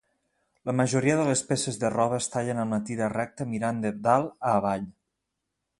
La majoria de les peces de roba es tallen amb la tira recta mirant de dalt a avall.